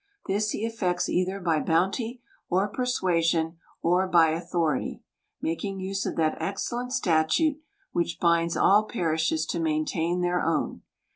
This he effects either by bounty, or persuasion, or by authority ; making use of that excellent statute, which binds all parishes to maintain their own.